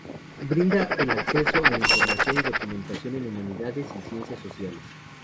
Brinda el acceso a la información y documentación en humanidades y ciencias sociales.